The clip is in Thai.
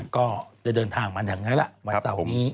ก็จะเดินทางมาถึงไหนล่ะวันเสาร์นี้